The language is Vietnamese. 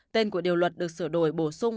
tên của điều luật được sửa đổi bổ sung